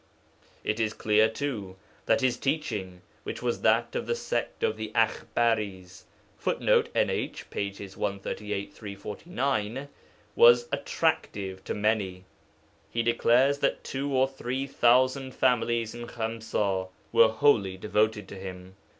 It is clear, too, that his teaching (which was that of the sect of the Akhbaris), [Footnote: NH, pp. 138, 349.] was attractive to many. He declares that two or three thousand families in Khamsa were wholly devoted to him.